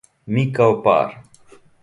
Ми као пар.